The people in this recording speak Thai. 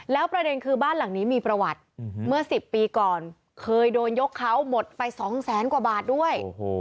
แล้วประเด็นคือบ้านหลังนี้มีประวัติเมื่อ๑๐ปีก่อนเคยโดนยกเขาหมดไป๒แสนกว่าบาทด้วย